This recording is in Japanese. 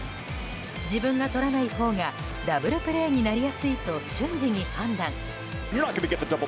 自分がとらないほうがダブルプレーになりやすいと瞬時に判断。